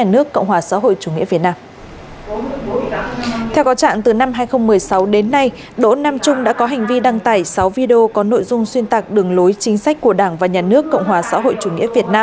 đỗ nam trung đã có hành vi đăng tải sáu video có nội dung xuyên tạc đường lối chính sách của đảng và nhà nước cộng hòa xã hội chủ nghĩa việt nam